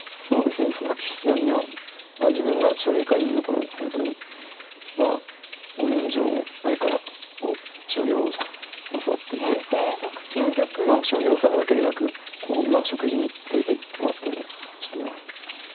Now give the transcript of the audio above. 佐々木七段には自分が奨励会員の頃本当にまあ５年以上前から将棋を教わっていて将棋を教わるだけでなく食事に連れていってもらったりもしてますね。